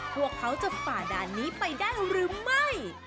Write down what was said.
พวกเขาจะฝ่าด่านนี้ไปได้หรือไม่